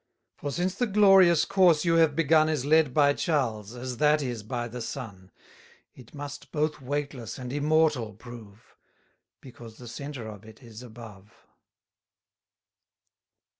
For since the glorious course you have begun Is led by Charles, as that is by the sun, It must both weightless and immortal prove, Because the centre of it is above.